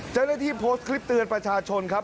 เจ้าหน้าที่โพสต์คลิปเตือนประชาชนครับ